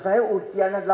atau saya orang tua